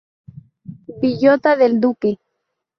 Villota del Duque